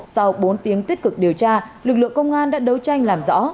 sau bốn tiếng tích cực điều tra lực lượng công an đã đấu tranh làm rõ